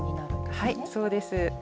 はいそうです。